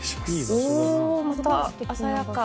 おまた鮮やか。